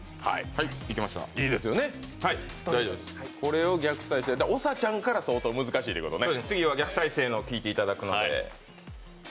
これを逆再生、長ちゃんから難しいということね。